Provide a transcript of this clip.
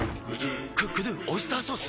「クックドゥオイスターソース」！？